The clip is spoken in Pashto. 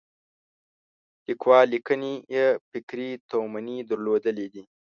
لیکوال لیکنې یې فکري تومنې درلودلې دي.